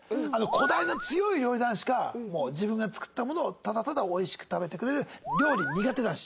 こだわりの強い料理男子か自分が作ったものをただただおいしく食べてくれる料理苦手男子。